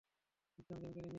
একজন chemical engineer.